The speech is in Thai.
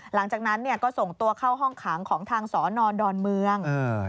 หลังจากนั้นก็ส่งตัวเข้าห้องขังของทางสนดอนเมือง